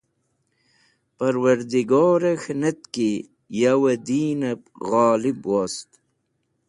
Parwardigore K̃hinetki Yowey Deenep Ghalib wost